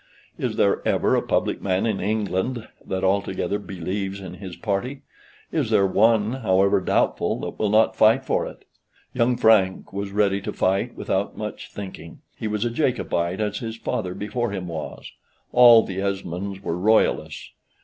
(Is there ever a public man in England that altogether believes in his party? Is there one, however doubtful, that will not fight for it?) Young Frank was ready to fight without much thinking, he was a Jacobite as his father before him was; all the Esmonds were Royalists.